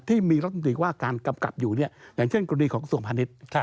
ที่มีรัฐมนตรีว่าการกำกับอยู่อย่างเช่นกรณีของส่วนพาณิชย์